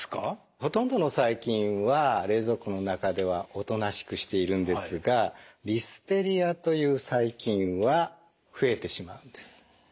ほとんどの細菌は冷蔵庫の中ではおとなしくしているんですがリステリアという細菌は増えてしまうんです。